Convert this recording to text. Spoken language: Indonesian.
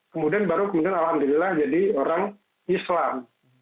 kemudian baru kemudian alhamdulillah jadi orang islam